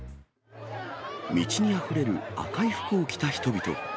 道にあふれる赤い服を着た人々。